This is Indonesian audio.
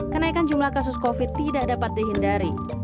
kenaikan jumlah kasus covid sembilan belas tidak dapat dihindari